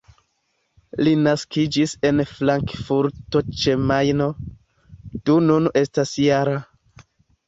Li naskiĝis en Frankfurto ĉe Majno, do nun estas -jara.